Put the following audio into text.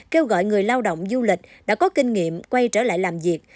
kêu gọi người lao động du lịch đã có kinh nghiệm quay trở lại làm việc